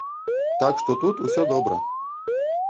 Так што тут усё добра.